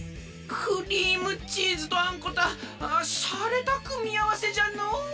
クリームチーズとあんこたああしゃれたくみあわせじゃの。